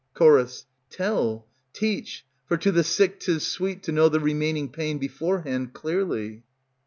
Ch. Tell, teach; for to the sick 't is sweet To know the remaining pain beforehand clearly.